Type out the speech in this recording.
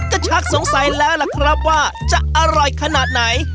ก็ชักสงสัยแล้วล่ะครับว่าจะอร่อยขนาดไหน